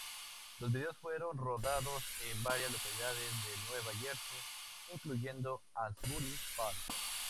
Los videos fueron rodados en varias localidades de Nueva Jersey, incluyendo Asbury Park.